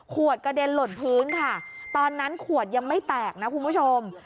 กระเด็นหล่นพื้นค่ะตอนนั้นขวดยังไม่แตกนะคุณผู้ชม